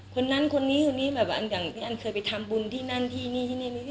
คนนั้นคนนี้คนนี้แบบอันอย่างพี่อันเคยไปทำบุญที่นั่นที่นี่ที่นี่